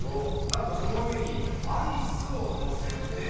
なんとその上にアイスをのせて。